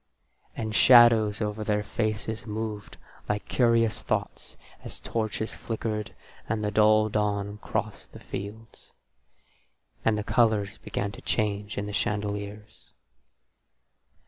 And shadows over their faces moved like curious thoughts as the torches flickered and the dull dawn crossed the fields. And the colours began to change in the chandeliers.